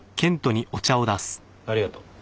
ありがとう。